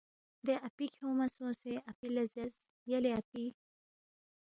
دے اپی کھیونگما سونگسے اپی لہ زیرس، یلے اپی،